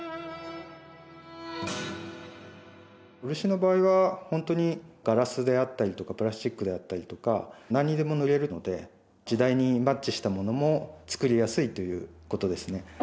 漆の場合はホントにガラスであったりとかプラスチックであったりとか何にでも塗れるので時代にマッチしたものもつくりやすいということですね